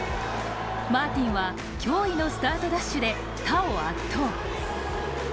マーティンは驚異のスタートダッシュで他を圧倒。